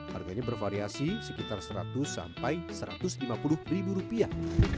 harganya bervariasi sekitar seratus sampai satu ratus lima puluh ribu rupiah